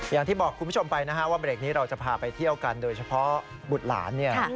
อย่างที่บอกคุณผู้ชมไปนะฮะว่าเบรกนี้เราจะพาไปเที่ยวกันโดยเฉพาะบุตรหลานเนี่ย